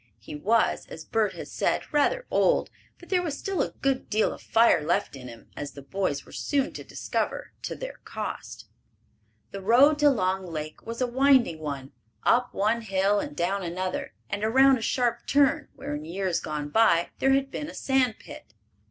He was, as Bert had said, rather old, but there was still a good deal of fire left in him, as the boys were soon to discover to their cost. The road to Long Lake was a winding one, up one hill and down another, and around a sharp turn where in years gone by there had been a sand pit.